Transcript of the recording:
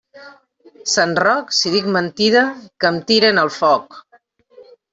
Sant Roc, si dic mentida, que em tiren al foc.